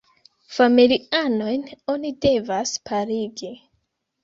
Familianojn oni devas parigi.